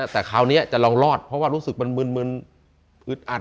แต่คราวนี้จะลองรอดเพราะว่ารู้สึกมันมึนอึดอัด